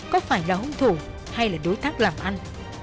có phải là hung thủ hay là đối tác làm ăn